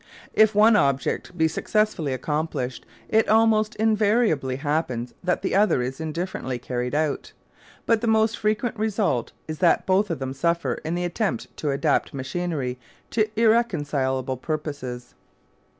If one object be successfully accomplished it almost invariably happens that the other is indifferently carried out; but the most frequent result is that both of them suffer in the attempt to adapt machinery to irreconcilable purposes.